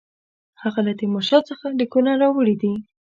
هغه له تیمورشاه څخه لیکونه راوړي دي.